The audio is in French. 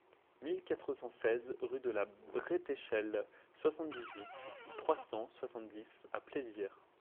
mille quatre cent seize rue de la Bretéchelle, soixante-dix-huit, trois cent soixante-dix à Plaisir